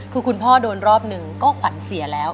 คือคุณพ่อโดนรอบหนึ่งก็ขวัญเสียแล้ว